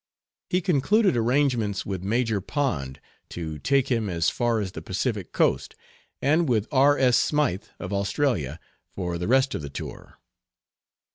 He concluded arrangements with Major Pond to take him as far as the Pacific Coast, and with R. S. Smythe, of Australia, for the rest of the tour.